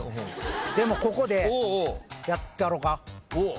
でもここでやってやろか。